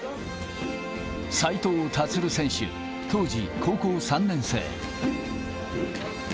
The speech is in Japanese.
斉藤立選手、当時高校３年生。